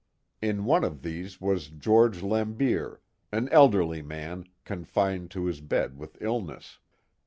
In one of these was George Laimbier, an elderly man, confined to his bed with illness.